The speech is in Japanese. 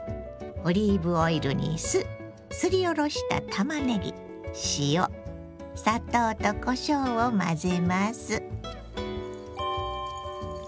オリーブオイルに酢すりおろしたたまねぎ塩砂糖とこしょうを混ぜます。